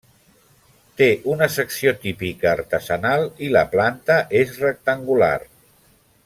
Té una secció típica artesanal i la planta és rectangular.